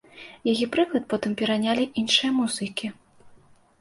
Яе прыклад потым перанялі іншыя музыкі.